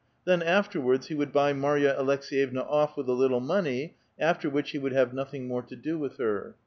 Then afterwards he would buy Marya Aleks^yevna off with a little money, after which he would have nothing more to do with her.